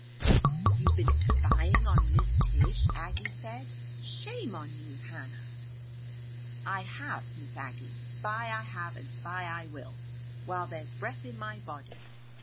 "You've been spying on Miss Tish," Aggie said. "Shame on you, Hannah!" "I have, Miss Aggie. Spy I have and spy I will, while there's breath in my body.